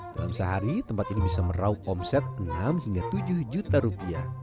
dalam sehari tempat ini bisa meraup omset enam hingga tujuh juta rupiah